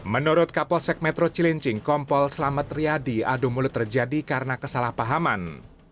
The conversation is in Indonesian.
menurut kapolsek metro cilincing kompol selamat riyadi adu mulut terjadi karena kesalahpahaman